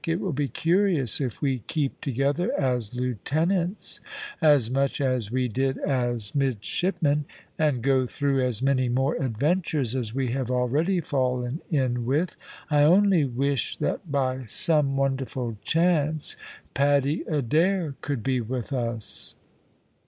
"It will be curious if we keep together as lieutenants as much as we did as midshipmen, and go through as many more adventures as we have already fallen in with. I only wish that by some wonderful chance Paddy Adair could be with us."